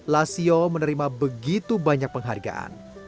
lasio menerima begitu banyak penghargaan